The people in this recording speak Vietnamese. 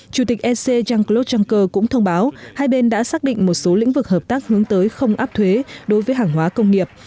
chủ tịch ec jean claude juncker cũng thông báo hai bên đã xác định một số lĩnh vực hợp tác hướng tới không áp thuế đối với hàng hóa công nghiệp